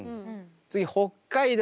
次北海道